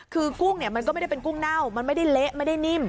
คือกุ้งเนี่ยมันก็ไม่ได้เป็นกุ้งเน่ามันไม่ได้เละไม่ได้นิ่ม